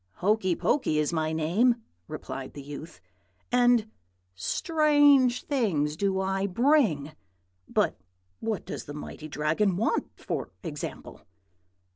"'Hokey Pokey is my name,' replied the youth, 'and strange things do I bring. But what does the mighty Dragon want, for example?'